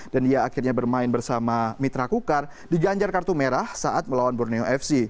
dan dia akhirnya bermain bersama mitra kukar di ganjar kartu merah saat melawan borneo fc